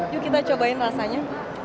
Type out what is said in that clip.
yuk kita cobain rasanya